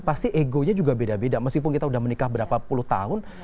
pasti egonya juga beda beda meskipun kita sudah menikah berapa puluh tahun